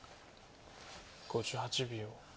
５８秒。